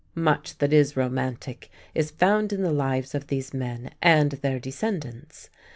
Much that is romantic is found in the lives of these men and their descendants.